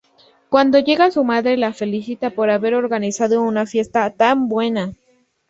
Cuando llega su madre la felicita por haber organizado una fiesta tan buena.